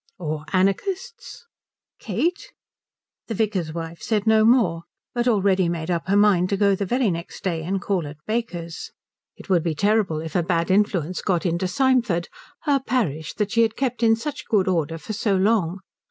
"Or anarchists." "Kate?" The vicar's wife said no more, but silently made up her mind to go the very next day and call at Baker's. It would be terrible if a bad influence got into Symford, her parish that she had kept in such good order for so long.